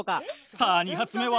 さあ２発目は？